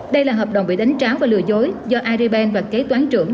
đây là hợp đồng bị đánh tráo và lừa dối do aribank và kế toán trưởng